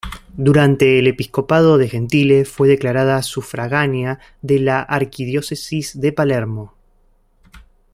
Durante el episcopado de Gentile fue declarada sufragánea de la arquidiócesis de Palermo.